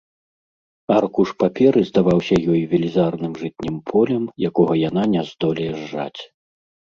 Аркуш паперы здаваўся ёй велізарным жытнім полем, якога яна не здолее зжаць.